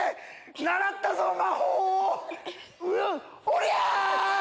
おりゃ！